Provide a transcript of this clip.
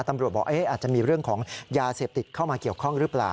ตำรวจบอกอาจจะมีเรื่องของยาเสพติดเข้ามาเกี่ยวข้องหรือเปล่า